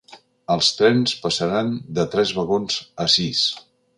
Els trens passaran de tres vagons a sis.